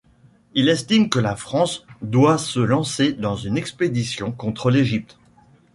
Il estime que la France doit se lancer dans une expédition contre l'Égypte.